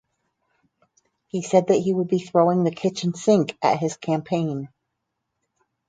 He said that he would be "throwing the kitchen sink" at his campaign.